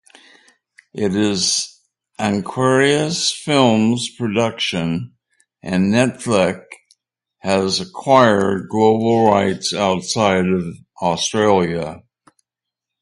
It is an Aquarius Films production and Netflix has acquired global rights outside Australia.